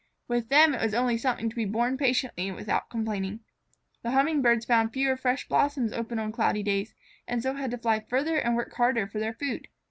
With them it was only something to be borne patiently and without complaining. The Hummingbirds found fewer fresh blossoms open on cloudy days, and so had to fly farther and work harder for their food.